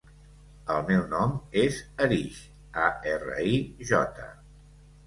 El meu nom és Arij: a, erra, i, jota.